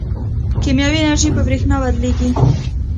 کیمیاوي انرژي په برېښنا بدلېږي.